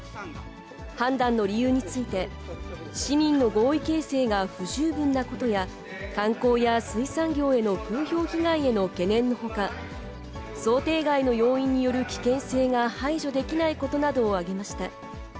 判断の理由について、市民の合意形成が不十分なことや、観光や水産業への風評被害への懸念のほか、想定外の要因による危険性が排除できないことなどを挙げました。